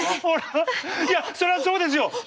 そりゃそうですよ！